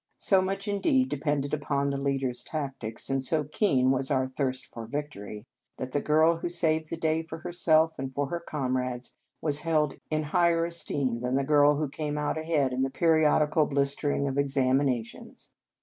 So much, indeed, depended upon the leader s tactics, and so keen was our thirst for victory, that the girl who saved the day for herself and for her comrades was held in higher es teem than the girl who came out ahead in the periodical blistering of exami nations.